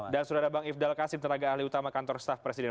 dan sudah ada bang ifdal kasim tenaga ahli utama kantor staff presiden